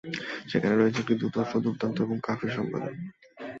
সেখানে রয়েছে একটি দুর্ধর্ষ, দুর্দান্ত ও কাফির সম্প্রদায়।